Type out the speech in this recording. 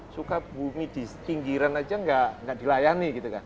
suka bumi di pinggiran aja gak dilayani